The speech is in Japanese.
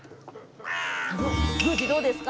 宮司どうですか？